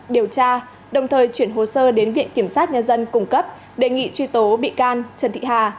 điều tra đồng thời chuyển hồ sơ đến viện kiểm sát nhân dân cung cấp đề nghị truy tố bị can trần thị hà